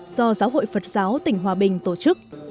do giáo hội phật giáo tỉnh hòa bình tổ chức